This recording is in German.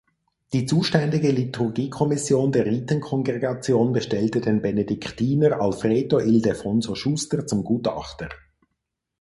Die zuständige Liturgiekommission der Ritenkongregation bestellte den Benediktiner Alfredo Ildefonso Schuster zum Gutachter.